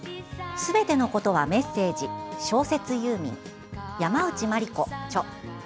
「すべてのことはメッセージ小説ユーミン」山内マリコ・著。